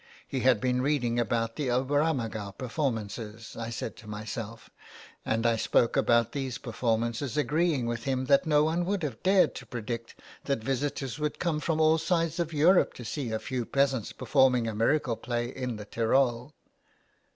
He has been reading about the Ober ammergau performances, I said to myself, and I spoke about these performances, agreeing with him that no one would have dared to predict that visitors would come from all sides of Europe to see a few peasants performing a miracle play in the Tyrol.